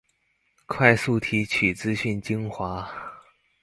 快速提取資訊精華